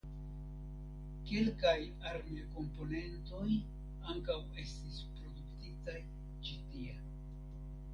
Kelkaj armilkomponentoj ankaŭ estis produktitaj ĉi tie.